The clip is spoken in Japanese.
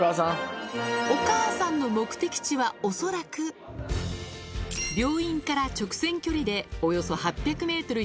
お母さんの目的地は恐らく、病院から直線距離でおよそ８００メートル